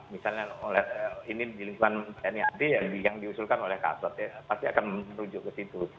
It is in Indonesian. misalnya ini di lingkungan tni ad yang diusulkan oleh kasat ya pasti akan merujuk ke situ